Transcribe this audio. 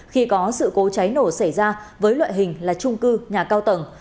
khi có sự cố cháy nổ xảy ra với loại hình là trung cư nhà cao tầng